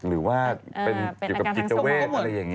หรือว่าเป็นอยู่กับกิจเตอร์เวศอะไรอย่างนี้